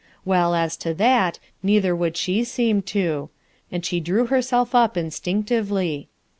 Well, as to that, neither would she seem to ; and she drew herself up instinctively.